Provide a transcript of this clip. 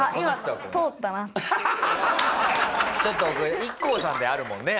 ちょっとそれＩＫＫＯさんであるもんね。